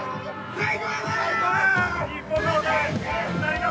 最高！